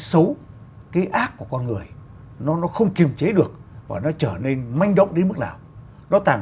xấu cái ác của con người nó không kiềm chế được và nó trở nên manh động đến mức nào nó tàn